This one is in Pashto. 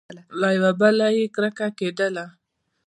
له یوه بله یې کرکه کېدله !